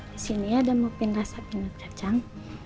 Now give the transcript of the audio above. disini ada muffin rasa binat kacang